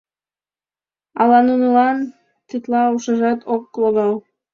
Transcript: Ала нунылан тетла ужашат ок логал.